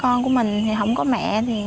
con của mình thì không có mẹ